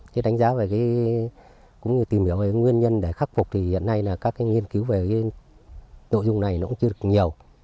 chứ đánh giá về cái tìm hiểu về nguyên nhân để khắc phục thì hiện nay là các nghiên cứu về nội dung này nó cũng chưa được nhiều